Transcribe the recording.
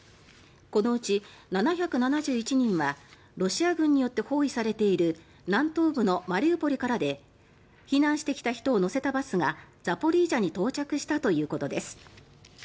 このうち７７１人はロシア軍によって包囲されている南東部のマリウポリからで避難してきた人を乗せたバスがザポリージャに到着したということです。